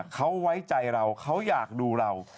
เขาไว้ใจเราเขาอยากดูเรา